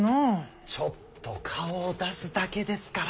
ちょっと顔を出すだけですから。